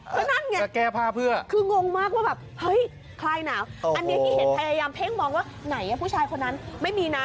เค้านั่นไงคืองงมากว่าแบบเฮ้ยคลายหนาวอันนี้เห็นพยายามเพ้งมองว่าไหนฮะผู้ชายคนนั้นไม่มีนะ